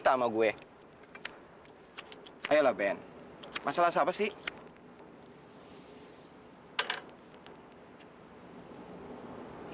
masalah sama gue ayolah ben masalah siapa sih